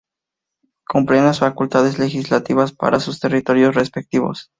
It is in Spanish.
Con plenas facultades legislativas para sus territorios respectivos.